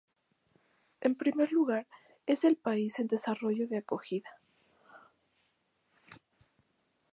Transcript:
En primer lugar, es el país en desarrollo de acogida.